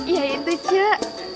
ya itu coy